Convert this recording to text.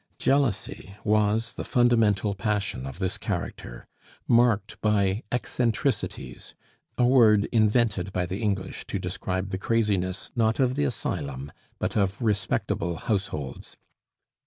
Jealousy was the fundamental passion of this character, marked by eccentricities a word invented by the English to describe the craziness not of the asylum, but of respectable households.